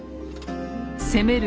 攻める